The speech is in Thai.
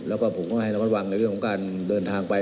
แล้วก็ผมก็ให้ระมัดระวังในเรื่องของการเดินทางไป